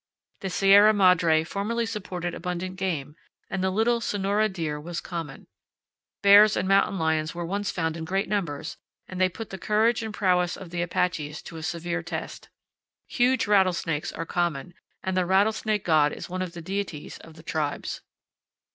The Sierra Madre formerly supported abundant game, and the little Sonora deer was common. Bears and mountain lions were once found in great numbers, and they put the courage and prowess of the Apaches to a severe test. Huge rattlesnakes are common, and the rattlesnake god is one of the deities of the tribes.